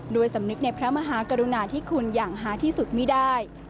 สำนึกในพระมหากรุณาที่คุณอย่างหาที่สุดไม่ได้